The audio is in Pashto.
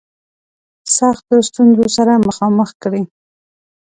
سختو ستونزو سره مخامخ کړي.